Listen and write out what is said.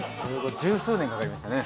十数年かかりましたね。